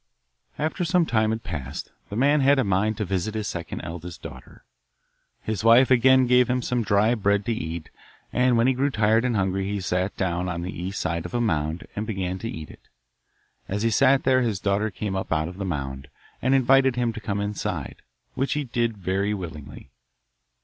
After some time had passed the man had a mind to visit his second eldest daughter. His wife again gave him some dry bread to eat, and when he grew tired and hungry he sat down on the east side of a mound and began to eat it. As he sat there his daughter came up out of the mound, and invited him to come inside, which he did very willingly.